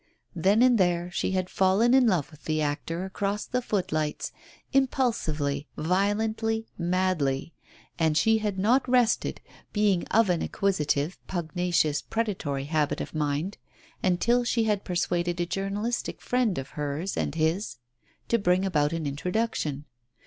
Then and there she had fallen in love with the actor across the footlights, impulsively, violently, madly, and she had not rested, being of an acquisitive, pug nacious, predatory habit of mind, until she had per suaded a journalistic friend of hers and his to bring about an introduction.